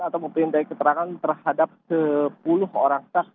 atau memperindahkan keterangan terhadap sepuluh orang saksi termasuk warga di sekitar lokasi